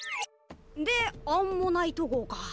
でアンモナイト号か。